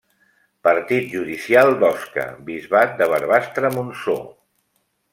Partit judicial d'Osca, bisbat de Barbastre-Montsó.